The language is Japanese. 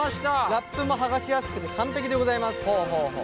ラップも剥がしやすくて完璧でございます。